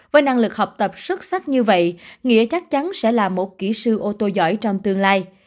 với năng lực học tập xuất sắc như vậy nghĩa chắc chắn sẽ là một kỹ sư ô tô giỏi trong tương lai